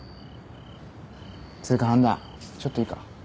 つうか半田ちょっといいか？